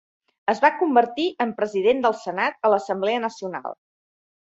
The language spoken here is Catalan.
Es va convertir en president del senat a l'Assemblea Nacional.